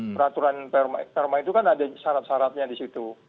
peraturan perma itu kan ada syarat syaratnya di situ